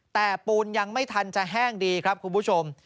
แต่ปูนยังไม่ทันจะแห้งดีครับคุณผู้ชม